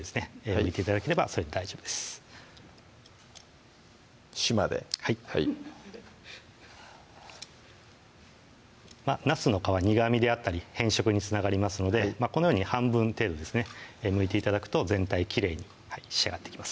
むいて頂ければそれで大丈夫ですしまではいなすの皮苦みであったり変色につながりますのでこのように半分程度ですねむいて頂くと全体きれいに仕上がっていきます